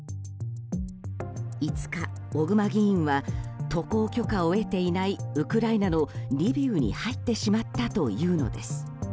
５日、小熊議員は渡航許可を得ていないウクライナのリビウに入ってしまったというのです。